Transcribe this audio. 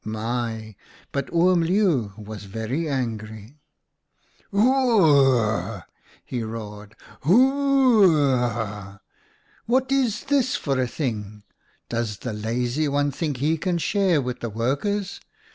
" My ! but Oom Leeuw was very angry !"' Hoorr rr rr,' he roared, ' hoorr rr rr ! What is this for a thing ? Does the lazy one think he can share with the workers